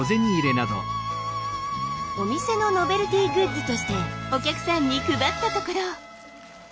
お店のノベルティーグッズとしてお客さんに配ったところ。